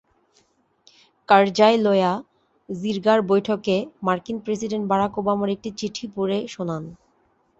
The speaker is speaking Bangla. কারজাই লয়া জিরগার বৈঠকে মার্কিন প্রেসিডেন্ট বারাক ওবামার একটি চিঠি পড়ে শোনান।